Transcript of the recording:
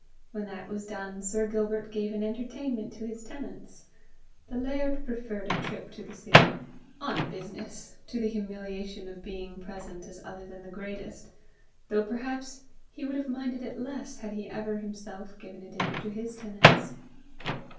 When that was done, Sir Gilbert gave an entertainment to his tenants. The laird preferred a trip to the city, "on business," to the humiliation of being present as other than the greatest; though perhaps he would have minded it less had he ever himself given a dinner to his tenants.